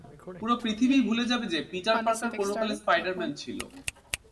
পুরো পৃথিবীই ভুলে যাবে যে, পিটার পার্কার কোনোকালে স্পাইডার-ম্যান ছিল।